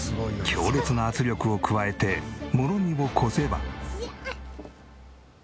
強烈な圧力を加えてもろみをこせば。